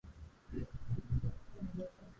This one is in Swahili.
benki kuu inaboresha utoaji wa huduma za kibenki